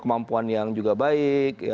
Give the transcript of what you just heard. kemampuan yang juga baik